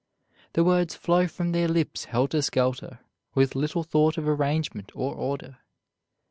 The words flow from their lips helter skelter, with little thought of arrangement or order.